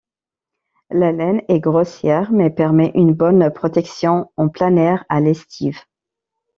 La laine est grossière mais permet une bonne protection en plein air à l'estive.